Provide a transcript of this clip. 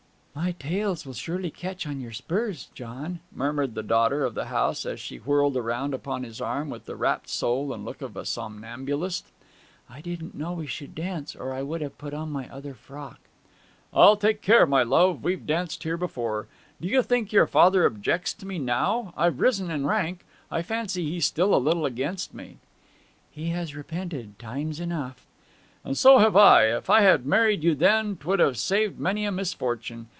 'My tails will surely catch in your spurs, John!' murmured the daughter of the house, as she whirled around upon his arm with the rapt soul and look of a somnambulist. 'I didn't know we should dance, or I would have put on my other frock.' 'I'll take care, my love. We've danced here before. Do you think your father objects to me now? I've risen in rank. I fancy he's still a little against me.' 'He has repented, times enough.' 'And so have I! If I had married you then 'twould have saved many a misfortune.